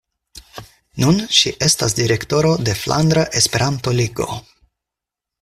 Nun ŝi estas direktoro de Flandra Esperanto-Ligo.